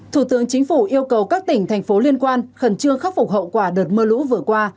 thủ tướng chính phủ yêu cầu các tỉnh thành phố liên quan khẩn trương khắc phục hậu quả đợt mưa lũ vừa qua